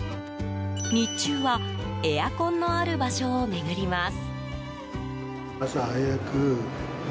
日中はエアコンのある場所を巡ります。